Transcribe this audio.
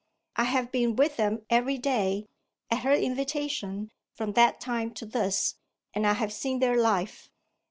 I have been with them every day, at her invitation, from that time to this; and I have seen their life."